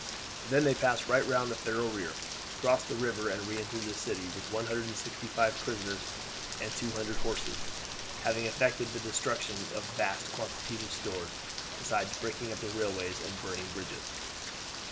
Then they passed right round the Federal rear, crossed the river, and re entered the city with 165 prisoners and 200 horses, having effected the destruction of vast quantities of stores, besides breaking up the railways and burning bridges.